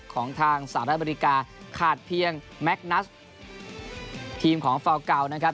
ของทางสหรัฐอเมริกาขาดเพียงแมคนัสทีมของฟาวเกานะครับ